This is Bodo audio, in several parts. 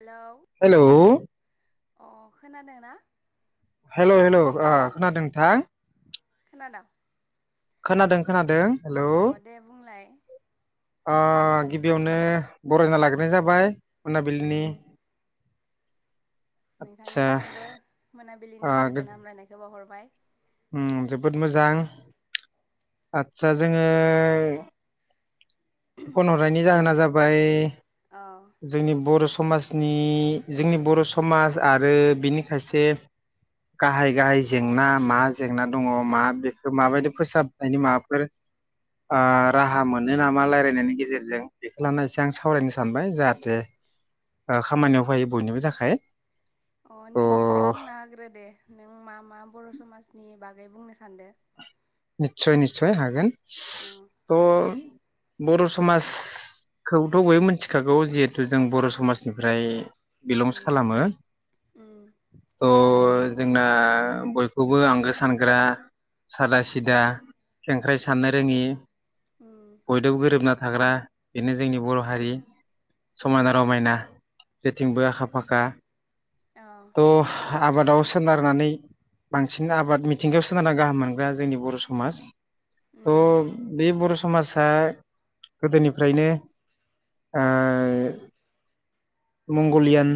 हेलौ। हेलौ ओ खोनादों ना। हेलौ हेलौ ओ खोनादों नोंथां। खोनादों। खोनादों खोनादों। हेलौ ओ दे बुंलाय। ओ गिबियावनो बरायना लाग्रोनाय जाबाय। मोनाबिलिनि। उम आदसा नोंथांनिसिमबो ओ मोनाबिलिनि गोजोन हामलायनायखौ बावहर बाय उम जोबोद मोजां आदसा जोङो फन हरनायनि जाहोना जाबाय अ जोंनि बर' समाजनि जोंनि बर' समाज आरो बिनि खायसे गाहाय गाहाय जेंना मा जेंना दङ मा बेखौ माबायदि फोसाबनायनि माबाफोर ओ राहा हा मोनो अ नामा रायलाय गेजेरजों बेखौ लाना एसे आं सावरायनो सानबाय जाहाथे ओ खामानियाव फायो बयनिबो थाखाय ओ थ' नों एसे बुंना हाग्रो दे नों मा मा बर' समाजनि बा गै बुंनो सानदों निसय निसय हागोन ओ बर' समाजखौथ' बयबो मिथिखागौ जिहेथु जों बर' समाजनिफ्राय बिलंस उम खालामो उम थ' जोंना बयखौबो आंगो सानग्रा सादा सिदा खेंख्रायै साननो रोङि उम बयदोबो गोरोबना थाग्रा बेनो जोंनि बर' हारि समायना उम रमायना जेथिंबो आखा फाखा औ थ' आबाद आवसो सोनारनानै बांसिन आबाद मिथिंगायाव सोनारना गाहाम मोनग्रा जोंनि बर' समाज। थ' उम बे बर' स समाजा गोदोनिफ्रायनो ओ मंग'लियान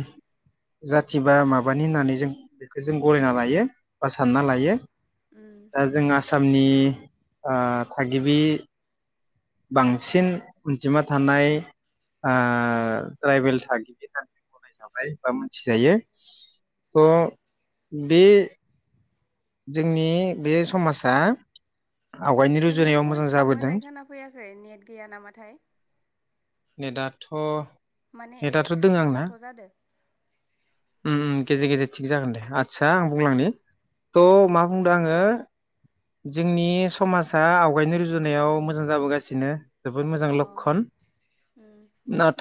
जाथ थि बा माबानि होननानै जों बेखौ जों गनायना लायो बा सानना औ लायो उम दा जों आसा मनि ओ थागिबि बांसिन अनजिमा थानाय ओ ट्राइबेल थागिबि था गनाय जाबाय बा मोनसि जायो थ अ बे जोंनि बे समाजा आवगायनि नोंनि रुजुनायाव मोजां भइसखौ जाबोदों मोजाङै खोना फैयाखै नेट गैया नामाथाय? नेट आथ' माने एसे थाथ' थाथ' जादों। उम गेजेर गेजेर थिग जागोन दे आतसा आं अ बुंलांनि त' अ मा बुंदो आङो जोंनि समाजा आवगायनो रुजुनायाव मोजां जाबोगासिनो जोबोद मोजां अ लक्षन उम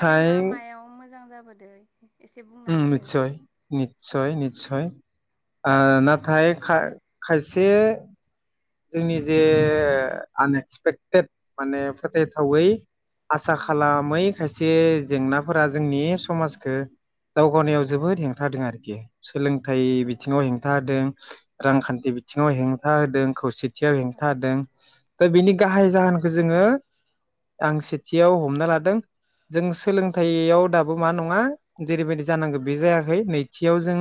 माने मा मायाव मोजां जाब बोदो उम नित्सय नि सय नित्सय ओ नाथाय खा खायसे जोंनि जे आनएक्सपेक्टेड माने फोथायथावै आसा उम खालामै खायस से जेंनाफोरा जोंनि समाजखो दावगानायाव जोबोद हेंथा होदों आरोखि सोलोंथाइ उम बिथिङाव हेंथा होदों रांखान्थि बिथिङाव हेंथा होदों खौसे [unintelligible] अ हेंथा होदों ओ बिनि गाहाय जाहोनखो जोङो आं सेथियाव हमना लादों जों सोलोंथाइयाव दाबो मा नङा जेरैबायदि जानांगो बे जायाखै नैथियाव जों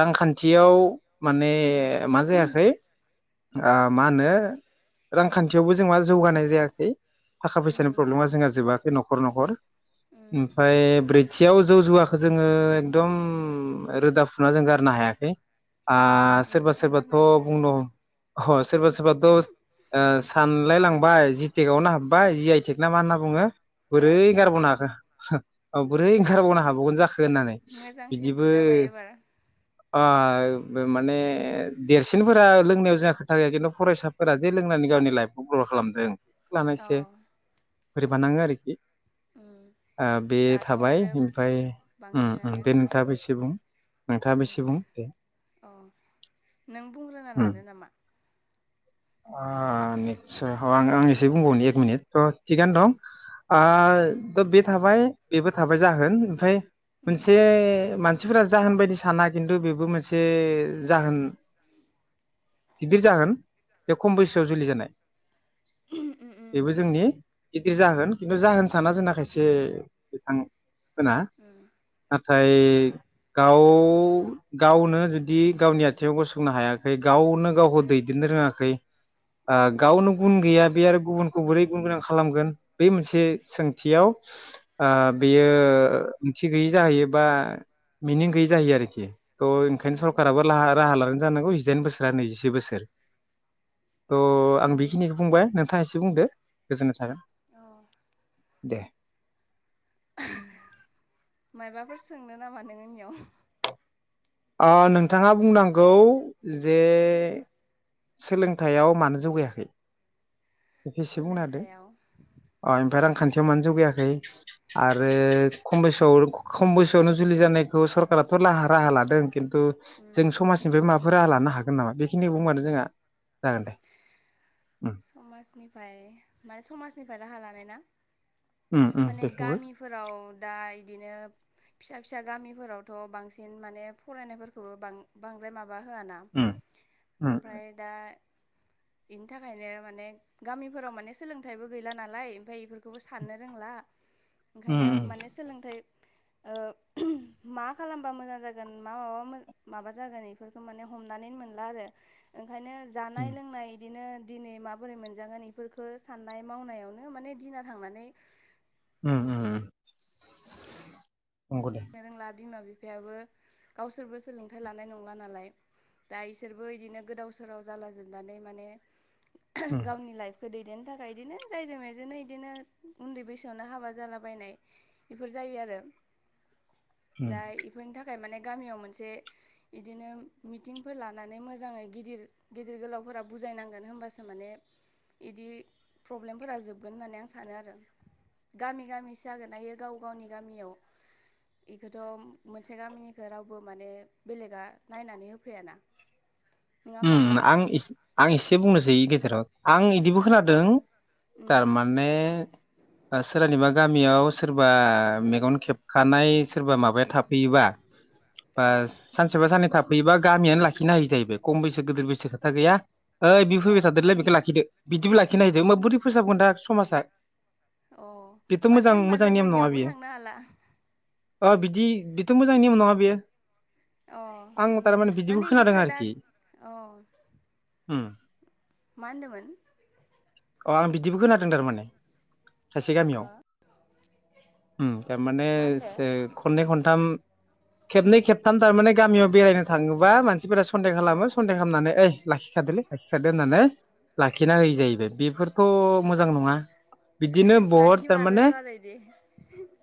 रांखान्थियाव माने उम ओ मा जायाखै ओ मा होनो रांखान्थियावबो जोंमा जौगानाय जायाखै थाखा उम फैसानि प्रब्लेमा जोंहा जोबाखै न'खर न'खर उम ओमफाय ब्रै थियाव जौ जुवाखो जोङो एकदम रोदा फुना जों गारनो हायाखै आ सोरबा बेखौथ' सोरबाथ' गारनो हाखाया बुंन ह सोरबा सोरबा द सान मोनलाय लांबाय जिटेक आवनो हाबबाय जि आइ थेक ना मा होनना बुङो बोरै अ जि आइ गारबावनो टेक हाखो हो औ बोरै ओंखारबावनो हाबगोन जाखो होननानै मोजांसिनसो बिदिबो जाबाय एबार [unintelligible] बो माने देरसिनफोरा लोंनायाव ज जा खोथा गैया खिन्थु फरायसाफोरा जे लोंनानै गावनि लाइफखौ ग्र' खालामदों नानै अ एसे बोरैबा नाङो आरोखि उम आ बे दाथ' थाबाय आरो इमफाय उम- उम बांसिनानो दे नोंथाङाबो एसे बुं नोंथाङाबो उम एसे बुं दे अ नों बुंग्रोना उम लानो नामा आ निस्चय ह आं गावनो एसे बुंबावनि एक मिनिट थ थिगानो अ दं आ उम थ बे थाबाय बेबो थाबाय जाहोन ओमफाय उम मोनसे मानसिफोरा जाहोन बायदिस थाना खिन्तु बेबो मोनसे जाहोन गिदिर जाहोन बेे खम बैसोआव जुलि जानाय उम बेबो उम जोंनि गिदिर जागोन खिन्थु जाहोन साना जोंना खायसे आं खोना उम नाथाय गाव गावनो जुदि गावनि आथिङाव गसंनो हायाखै गावनो गावखौ दैदेननो रोङाखै उम गावनो गुन गैया बे आरो गुबुन खौ बोरै गुन गोनां खालामगोन बै मोनसे सोंथियाव आ बेयो ओंथि गैयि जाहैयो बा मिनिं गैयै जाहैयो आरोखि थ' ओंखायनो उम सरखाराबो राहा लानानै जानांगौ जिदाइन बोसोर नैजि जि बोसोर थ' आं उम बेखिनिखौ बुंबाय नोंथाङा एसे बुंदो गोजोन्नाय थागोन। औ दे [unintelligible] मायबाफोर सोंनो नामा नों आंनियाव? नोंथाङा बुंनांगौ जे सोलोंथायाइयाव मानो जौगायाखै? बेखौ एसे बुंना होदो सोलोंथायाव अ ओमफ्राय आं खान्थियाव मानो जौगायाखै आरो उम खम बैसोआव खम बैसोआवनो जुलि जानायखौ सरकाराथ' राहा लादों। खिन्थु जों उम समाजनिफ्राय माबा माबाफोर लानो हागोन नामा बेखिनिखौ बुंबानो जोंहा जागोन दे उम। समाजनिफ्राय माने समाजनिफ्राय राहा लानाय ना? उम उम माने बेखौबो गामिफोराव दा इदिनो फिसा फिसा गामिफोरावथ' बांसिन माने फरायनायफोरखौबो बांद्राय माबा माबा होआ ना उम उम ओमफ्राय दा इनिथा ओंखायनो माने गामिफोराव माने सोलोंथाइबो गैला नालाय ओमफाय बेफोरखौबो साननो रोंला। उम ओंखायनो उम माने सोलोंथाइ ओ मा खालामबा मोजां जागोन मा माबा माबा जागोन बेफोरखौ माने हमनानै मोनला आरो ओ ओंखायनो जानाय उम लोंनाय इदिनो दिनै माबोरै मोनजागोन बेफोरखौ साननाय मावनायावनो माने दिना थांनानै उम उम नंगौ दे नो रोंला बिमा बिफ बिफायाबो गावसोरबो सोलोंथाइ लानाय नंला नालाय दा इसोरबो बिदिनो गोदाव सोराव जाला जोबनानै माने उम गावनि लाइफखौ दैदेन नो थाखाय बिदिनो जायजों बेजोंनो बिदिनो उन्दै बैसोआवनो हाबा जालाबायनाय बेफोर जायो आरो। दा उम बेफोर नोंथां? थाखाय माने गामियाव मोनसे इदिनो मिटिंफोर लानानै मोजाङै गिदिर गिदिर गोलावफोरा बुजायनांगोन होनबासो माने बिदि प्रब्लेमफोरा जोबगोन होननानै आं सानो आरो गामि गामिसो जागोन आयो गाव गावनि गामियाव बेखौथ' मोनसे गामिनिखौ रावबो माने बेलेगा नायनानै होफैयाना। नङा होमबा उम आं आं एसे बुंनोसै। सै गेजेराव आं बिदिबो ओ दे खोनादों उम थारमाने सोरनिबा गामियाव सोरबा उम मेगन खेबखानाय सोरबा माबाया थाफैयोबा बा अ सानसेबा साननै थाब थाफैबा गामियानो लाखिनो हायो जाहैबाय। खम बेसे गेदेर बैसो खोथा गैया। ओइ बि फैबाय थादोलै बेखौ लाखिदो बिदिबो लाखिनो हायो जों मा बोरै फोसाबगोन दा समाजा। अ बेथ' मोजां माने होमबा मोजां नेम नङा लोगोनियावबो बेयो थांनो हाला। अ बिदि बिथ' मोजांनि नियम नङा बेयो। अ आं थारमाने बिदिखौ खोनादों आरोखि औ उम मा होनदोंमोन अ आं बिदिबो खोनादों थारमाने खायसे गामियाव ओ उम थारमाने मा होनदो? जे खननै खन थाम उम खेबनै खेबथाम थारमाने गामियाव बेरायनो थाङोबा मानसिफोरा सन्देह औ खालामो खालामनानै इ लाखिखादोलै लाखिखादो होननानै ला खिना होयो जाहैबाय बेफोरथ' मोजां नङा बिदिनो बहुत थारमाने लाखिमारोथ' आरो इदि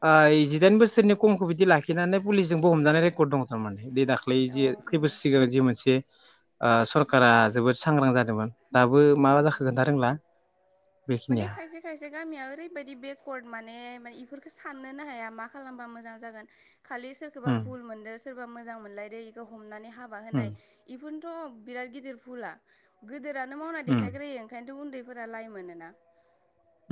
ओइ जिदाइन बोसोर बैसो खमखौ बिदि लाखिनानै पुलिसजोंबो हमजानाय रेकर्ड दङ थारमाने दे दाख्लै औ जे खैइ उम बोसोर सिगां जि मोनसे ओ सरकारा जोबोद सांग्रां जादोंमोन दाबो मा जाखो [unintelligible] खोनथा रोंला माने बेखिनिया खायसे खायसे गामिया ओरैबायाददि बेकवार्ड मानेे बेफोर साननोनो हाया मा खालामबा मोजां जागोन खालि सोरखौबा भुल उम मोनदों सोरबा मोजां मोनलायदो बेखौ हमनानै हाबा होनाय उम बेफोर थ' बिराथ गिदिर फुला गो मावनाय उम देखाग्रोयो ओंखनोथ' उन्दै फोरा लाइ मोनोना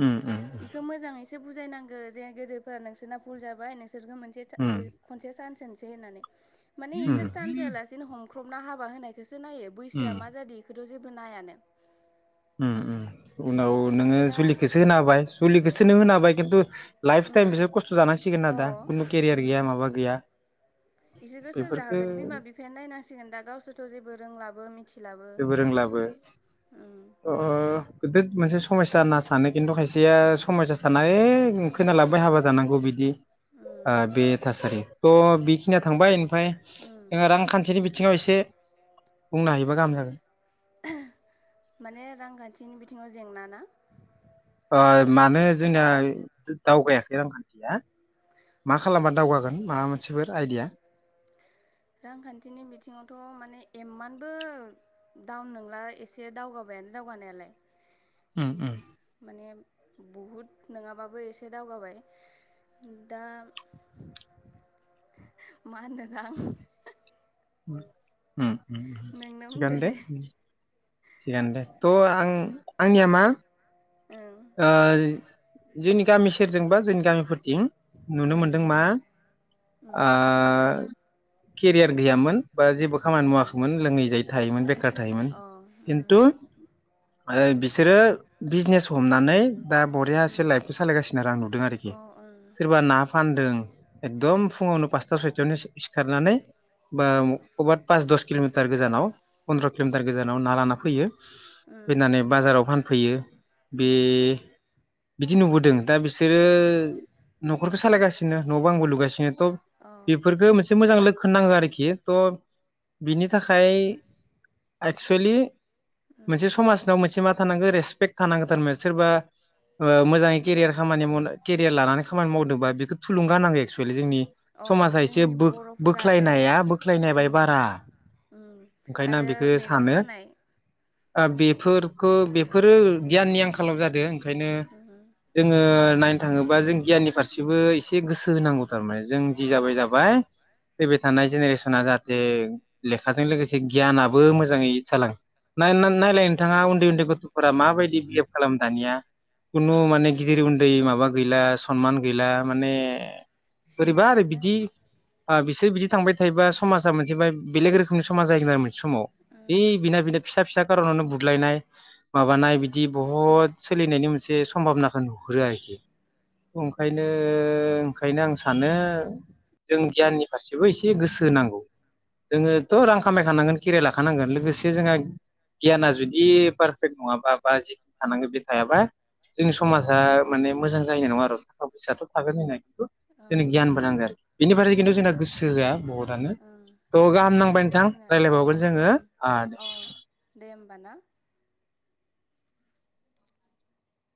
उम उम बेखौ मोजाङैसो बुजायनांगो जे गेदेरफोरा नोंसोरना भुल जाबाय नोंसोर बिसोरखो मोनसे उम खनसे सान सोंसै होननानै मान उम इसोर चानस होआलासेनो हमख्रबना हाबा होनायखोसो नायो बैसोआ उम मा जादो जेबो नायानो उम उनाव बेखौ नोङो दा जुलिखौसो होना हाबाय जुलिखोसो बिसोननो होनाबाय खिन्थु लाइफ टाइम उम बिसोर खस्थ' जानांसिगोन आरो अ दा खुनु केरियार गैया माबा गैया बिसोरखौ सोरजा बेफोरफोरखो होगोन बिमा बिफायानो नायनांसिगोन दा गसोरथ' जेबो रोंलाबो मिथि जेबो रोंलाबो उम अ गोदिर मोनसे स समयसा होनना सानो खिन्थु खायसेया समयसा साना खोनलाबबाय हाबा जानांगौ बिदि उम ओ बे थासारि थ बि खिनिया थांबाय ओमफ्राय उम जोङो रांखान्थिनि बिथिङाव एसे बुंनो हायोबा गाहाम जागोन [inaudible] माने रांखान्थिनि बिथिङाव जेंना ना ओ मानो जोंनिया दावगायाखै रांखान्थिया मा अ खालामबा दावगागोन माबा मोनसेफोर आइडिया रांखान्थिनि बिथिङावथ' माने इमानबो डाउन नंला एसे दावगाबायानो दावगानायालाय उम उम माने बहुद नङाबाबो एसे दावगाबाय दा मा होनो आं उम नोंनो बुंदो थिखानो दे थिगानो दे थ' आं आंनिया मा ओं ओ। जोंनि गामि सेरजोंबा जोंनि गामिफोर थिं नुनो उम मोनदों मा आ केरियार गैयामोन बा जेबो खामानि उम मावाखैमोन लोङै जायै थायोमोन बेखार थायोमोन अ उम किन्थु बिसोरो बिजनेस हमनानै दा बरिया एसे उम लाइफखौ सालायगासिनो आरो आं नुदों आरोखि अ ओं उम सोरबा ना फानदों एकदम फुङावनो पासथा सयथायावनो सिखारनानै बा अबेबा पास दस किल'मिटार गोजानाव पन्द्र' किल'मिटार गोजानाव ना लाना फैयो। फैनानै बाजाराव फानफैयो बे उम बिदि नुबोदों दा बिस बिसोरो न'खरखौ सालायगासिनो बिदिनो न' बांबो लुगासिनो थ अ बेफोरखो मोनसे मोजां लोखोन नाङो आरोखि खि थ बिनि थाखाय एक्सुलि उम मोनसे समाजनाव मोनसे मा थानांगो रेसपे एक्सपेक्ट थानांगौ थारममोन सोरबा मोजाङै केरियार खामानि माव केरियार लानानै खामानि मावदोंबा बेखौ थुलुंगा होनांगौ एक्सुेलि जोंनि अ समाजा एसे जोंनि बर'फोरा आरो बोख्लायनाया स्लायनायबाय उम बारा उम ओंखायनो आं आरो बेखौ मेगन सानो सानाय बेफोरखौ बेफोरो गियाननि आंखालाव जादोंं। ओंखायनो उम जोंङो नायनो थांङोबा जों गियाननि फारसेबो एसे गोसो होनांगौ थारमाने जों जि उम जाबाय जाबाय फैबाय थानाय जेनेरेसन सना जाहाथे लेखाजों लोगोसे गियानाबो मोजाङै जाला नायलाय नोंथाङा उन्दै उन्दै गथफोरा माबायदि बिहेभ खालामो दानिया। खुनु ओं माने गिदिर उन्दै माबा गैला सनमान गैला माने बोरैबा आरो सिनायलानो बिदि एसे बिदि थांबाय थायोबा समाजा मोनसे बेलेग रोखोमनि समाज जायोगोन आरो मोनसे समाव ओ उम बिना बिना फिसा फिसा कारनावनो बुदलायनाय माबानाय बिदि बहुद सोलिनायनि मोनसे सम्भाबना [unintelligible] हो आखि ओंखायनो ओंखायनो आं सा सानो जों गियाननि फारसेबो इसे एसे गोसो नांगौ जोङोथ रां उम खामायखानांगोन केरियार लाखानांगोन लोगोसे जोंहा गियाना जुदि पारफेक्ट नंङाबा बा जेखिनि थानांगौ बे थायाबा जोंनि समाजा माने मोजां जाहनाय नंङा आरो थाखा फैसााथ थागोन होननाय अ जोंनो गियान बो नांगो आरो बेनि बाद खिन्थु निउ जोंना गोसो बुहुदानो ओं थ गाहाम निउ नांबाय नोंथां जेनेरेसना अ रायज्लायबावगोन जोंङो। होमबाना।